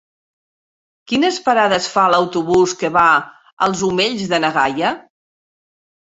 Quines parades fa l'autobús que va als Omells de na Gaia?